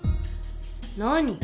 何？